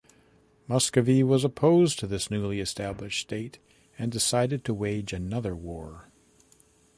Muscovy was opposed to this newly established state, and decided to wage another war.